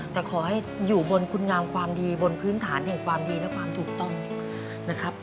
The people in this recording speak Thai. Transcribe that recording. แต่ขอให้อยู่บนคุณงามความดีบนพื้นฐานแห่งความดีและความถูกต้องนะครับ